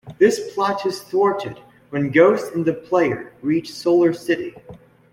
This plot is thwarted when Ghost and the player reach Solar City.